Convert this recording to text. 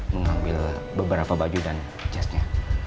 mengambil beberapa baju dan jasnya